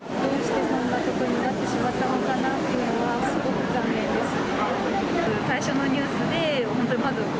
どうしてそんなことになってしまったのかなっていうのは、すごく残念ですね。